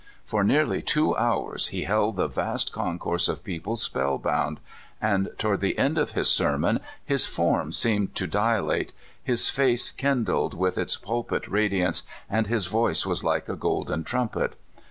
For nearly two hours he held the vast concourse of people spellbound, and tow ard the end of his sermon his form seemed to dilate, his face kindled into a sort of radiance, and his voice was like a golden trumpet.